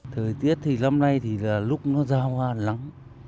thời tiết thì lắm nay là lúc nó ra hoa lắm